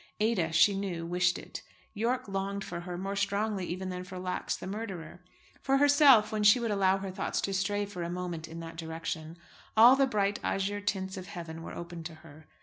Ada, she knew, wished it. Yorke longed for her, more strongly even than for Lax, the murderer. For herself, when she would allow her thoughts to stray for a moment in that direction, all the bright azure tints of heaven were open to her.